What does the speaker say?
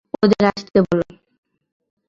ওদের আসতে বলো।